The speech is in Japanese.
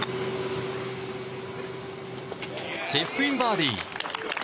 チップインバーディー。